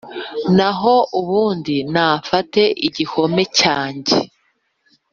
Naho ubundi nafate igihome cyanjye